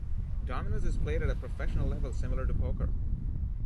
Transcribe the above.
Dominoes is played at a professional level, similar to poker.